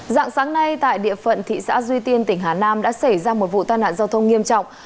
dạng sáng nay tại địa phận thị xã duy tiên tỉnh hà nam đã xảy ra một vụ tai nạn giao thông nghiêm trọng